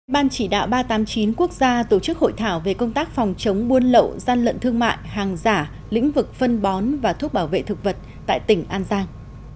ban chỉ đạo ba trăm tám mươi chín quốc gia tổ chức hội thảo về công tác phòng chống buôn lậu gian lận thương mại hàng giả lĩnh vực phân bón và thuốc bảo vệ thực vật tại tỉnh an giang